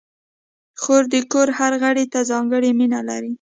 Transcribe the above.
خور د کور هر غړي ته ځانګړې مینه لري.